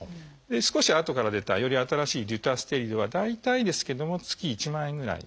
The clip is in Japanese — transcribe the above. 少しあとから出たより新しい「デュタステリド」は大体ですけども月１万円ぐらい。